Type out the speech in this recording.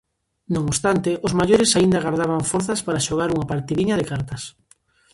Non obstante os maiores aínda gardaban forzas para xogar unha partidiña de cartas.